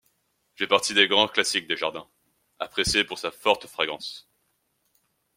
Il fait partie des grands classiques des jardins, apprécié pour sa forte fragrance.